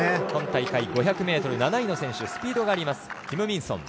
今大会５００ｍ７位の選手スピードがあります